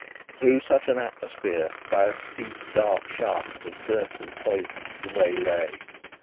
Through such an atmosphere, by a steep dark shaft of dirt and poison, the way lay.